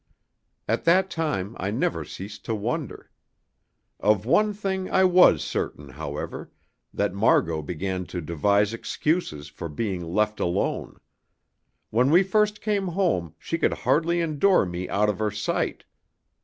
At that time I never ceased to wonder. Of one thing I was certain, however that Margot began to devise excuses for being left alone. When we first came home she could hardly endure me out of her sight.